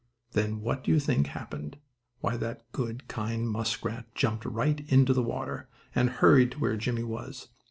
Then what do you think happened? Why that good, kind muskrat jumped right into the water, and hurried to where Jimmie was.